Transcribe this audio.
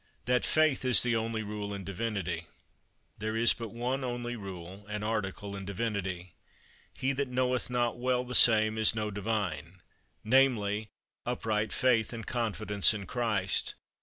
That Faith is the only Rule in Divinity. There is but one only rule and article in divinity. He that knoweth not well the same is no divine: namely, upright faith and confidence in Christ.